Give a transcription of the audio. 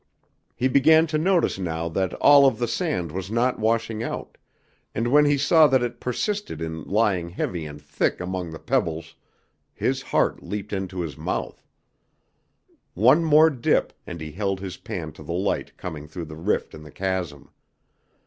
He began to notice now that all of the sand was not washing out, and when he saw that it persisted in lying heavy and thick among the pebbles his heart leaped into his mouth. One more dip, and he held his pan to the light coming through the rift in the chasm.